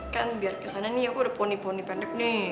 kan biar kesana nih yaudah poni poni pendek nih